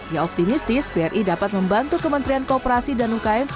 ia optimistis bri dapat membantu kementerian kooperasi dan ukm